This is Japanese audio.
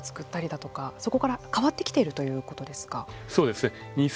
偽札を作ったりとかそこから変わってきているということですか。